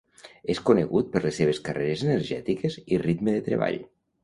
És conegut per les seves carreres energètiques i ritme de treball.